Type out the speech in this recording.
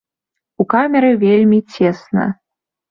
У камеры вельмі цесна.